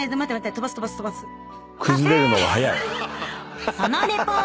崩れるのが早い。